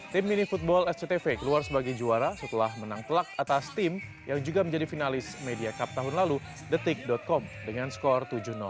tim mini football sctv keluar sebagai juara setelah menang telak atas tim yang juga menjadi finalis media cup tahun lalu detik com dengan skor tujuh